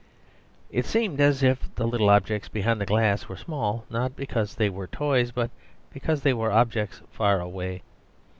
It seemed as if the little objects behind the glass were small, not because they were toys, but because they were objects far away.